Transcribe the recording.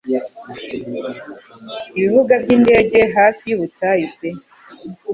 ibibuga byindege hafi yubutayu pe